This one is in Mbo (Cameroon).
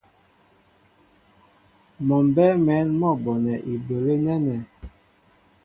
Mɔ mbɛ́ɛ́ mɛ̌n mɔ́ bonɛ ibələ́ nɛ́nɛ́.